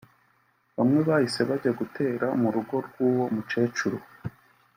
Bamwe bahise bajya gutera mu rugo rw’uwo mukecuru